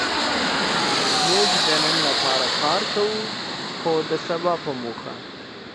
موږ د نن لپاره کار کوو؛ خو د سبا په موخه.